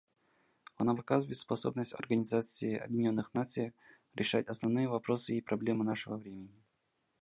Оно показывает способность Организации Объединенных Наций решать основные вопросы и проблемы нашего времени.